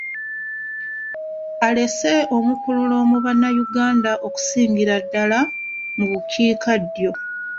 Alese omukululo mu bannanyuganda okusingira ddala mu bukiikaddyo.